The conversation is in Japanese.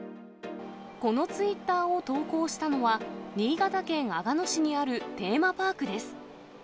このツイッターを投稿したのは、新潟県阿賀野市にあるテーマパークです。